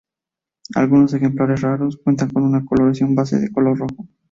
Algunos ejemplares, raros, cuentan con una coloración base color rojo.